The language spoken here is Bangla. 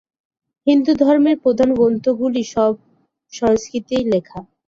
হিন্দুধর্মের প্রধান গ্রন্থগুলি সবই সংস্কৃতে লেখা।